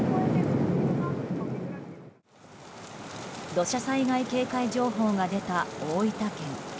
土砂災害警戒情報が出た大分県。